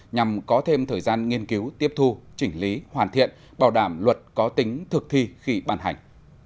nhằm có thêm thời gian nghiên cứu tiếp thu chỉnh lý hoàn thiện bảo đảm luật có tính thực thi khi bàn hành